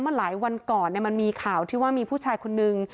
มาหลายวันก่อนมันมีข่าวที่ว่ามีผู้ชายคนนึง